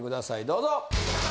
どうぞ！